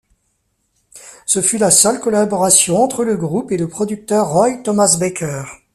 Ce fut la seule collaboration entre le groupe et le producteur Roy Thomas Baker.